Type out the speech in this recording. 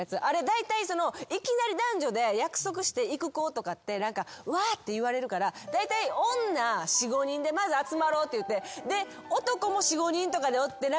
だいたいそのいきなり男女で約束して行く子とかって何か「うわ」って言われるからだいたい女４５人でまず集まろうって言ってで男も４５人とかでおって何か。